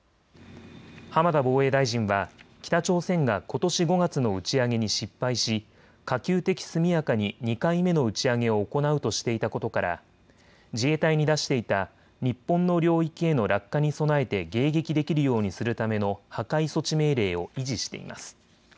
浜田防衛大臣は北朝鮮がことし５月の打ち上げに失敗し可及的速やかに２回目の打ち上げを行うとしていたことから自衛隊に出していた日本の領域への落下に備えて迎撃できるようにするための破壊措置命令を維持しています。